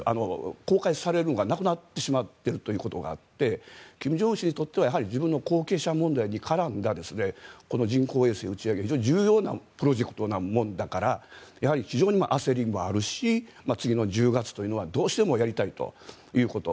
公開されるのがなくなってしまっているということがあって金正恩氏にとっては自分の後継者問題に絡んだ人工衛星打ち上げは非常に重要なプロジェクトなものだからやはり非常に焦りもあるし次の１０月というのはどうしてもやりたいということ。